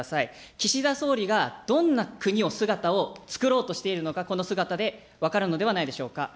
岸田総理がどんな国を、姿を作ろうとしているのか、この姿で分かるのではないでしょうか。